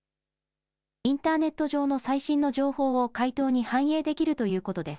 インターネット上の最新の情報を回答に反映できるということです。